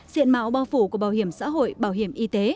diện mạo bao phủ của bảo hiểm xã hội bảo hiểm y tế